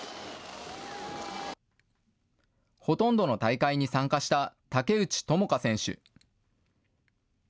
ほとんどの大会に参加した竹内智香選手。